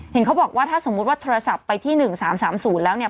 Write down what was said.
เห็นเขาบอกว่าถ้าสมมุติว่าโทรศัพท์ไปที่๑๓๓๐แล้วเนี่ย